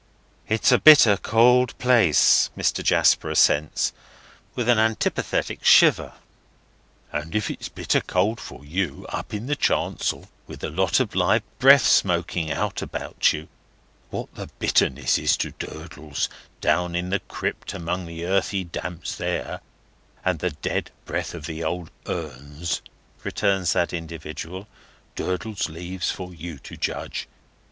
"It is a bitter cold place," Mr. Jasper assents, with an antipathetic shiver. "And if it's bitter cold for you, up in the chancel, with a lot of live breath smoking out about you, what the bitterness is to Durdles, down in the crypt among the earthy damps there, and the dead breath of the old 'uns," returns that individual, "Durdles leaves you to judge.